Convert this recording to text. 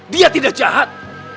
dia tidak jahat